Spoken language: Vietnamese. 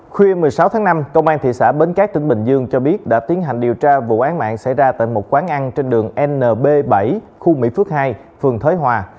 khuya một mươi sáu tháng năm công an thị xã bến cát tỉnh bình dương cho biết đã tiến hành điều tra vụ án mạng xảy ra tại một quán ăn trên đường nb bảy khu mỹ phước hai phường thới hòa